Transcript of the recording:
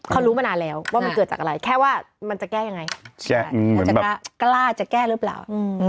เขารู้มานานแล้วว่ามันเกิดจากอะไรแค่ว่ามันจะแก้ยังไงมันจะกล้าจะแก้หรือเปล่า